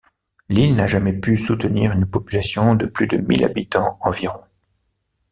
L’île n’a jamais pu soutenir une population de plus de mille habitants environ.